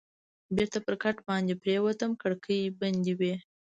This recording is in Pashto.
بېرته پر کټ باندې پرېوتم، کړکۍ بندې وې.